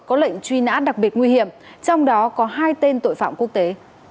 có lệnh truy nã đặc biệt nguy hiểm trong đó có hai tên tội phạm quốc tế